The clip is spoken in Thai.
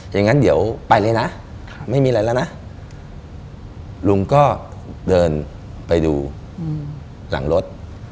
อย่างนั้นเดี๋ยวไปเลยนะไม่มีอะไรแล้วนะลุงก็เดินไปดูหลังรถ